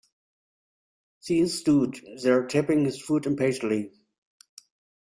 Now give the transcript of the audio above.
Sean stood there tapping his foot impatiently.